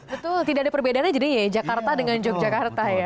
betul tidak ada perbedaannya jadi ya jakarta dengan yogyakarta ya